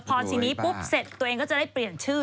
พอทีนี้ปุ๊บเสร็จตัวเองก็จะได้เปลี่ยนชื่อ